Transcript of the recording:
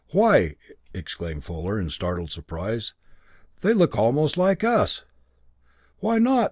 "Why," exclaimed Fuller in startled surprise, "they look almost like us!" "Why not?"